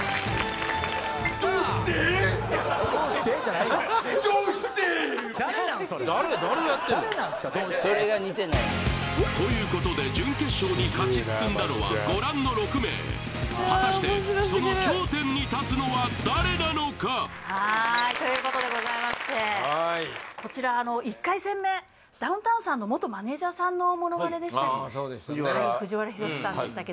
「どうして？」じゃないわということで準決勝に勝ち進んだのはご覧の６名果たしてその頂点に立つのは誰なのかということでございましてこちら１回戦目ダウンタウンさんの元マネージャーさんのモノマネでしたそうでしたね